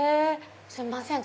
すいません